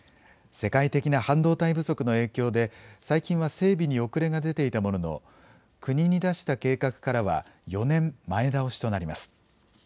世界的な半導体不足の影響で、最近は整備に遅れが出ていたものの、国に出した計画からは４年前倒しとなります。